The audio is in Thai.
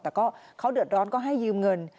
แต่ก็เขาเดือดร้อนก็ให้ยืมเงิน